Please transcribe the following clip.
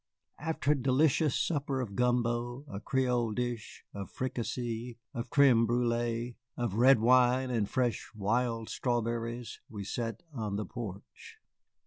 After a delicious supper of gumbo, a Creole dish, of fricassee, of crême brûlé, of red wine and fresh wild strawberries, we sat on the porch.